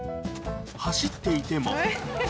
走っていても。